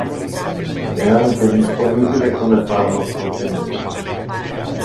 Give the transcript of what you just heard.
È anche disponibile come farmaco generico.